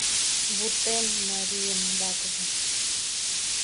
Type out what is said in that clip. Вуртем марийын ватыжым